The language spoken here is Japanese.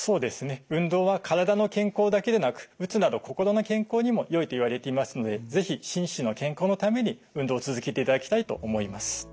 運動は体の健康だけでなくうつなど心の健康にもよいといわれていますので是非心身の健康のために運動を続けていただきたいと思います。